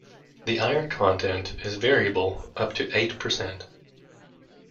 The iron content is variable up to eight percent.